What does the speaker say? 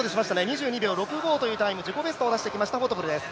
２２秒６５という自己ベストを出してきましたフォトプルです。